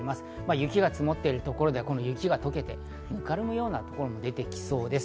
雪が積もっているところで雪は溶けてぬかるむようなところも出てきそうです。